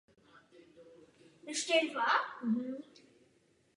Listeny v květenství jsou často velmi nápadně zbarvené a výraznější než samotné květy.